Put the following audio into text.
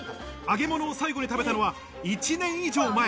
揚げ物を最後に食べたのは１年以上前。